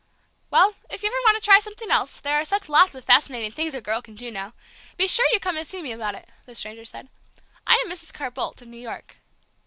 "Well, if you ever want to try something else, there are such lots of fascinating things a girl can do now! be sure you come and see me about it," the stranger said. "I am Mrs. Carr Boldt, of New York."